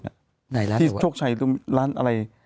ไหนร้านอะไรวะที่โชคชัยร้านอะไร